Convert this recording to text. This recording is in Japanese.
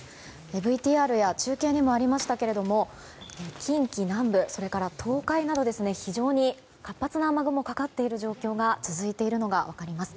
ＶＴＲや中継でもありましたけど近畿南部、東海など非常に活発な雨雲がかかっている状況が続いているのが分かります。